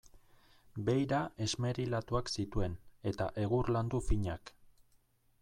Beira esmerilatuak zituen, eta egur landu finak.